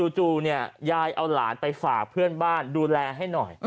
จู่เนี่ยยายเอาหลานไปฝากเพื่อนบ้านดูแลให้หน่อย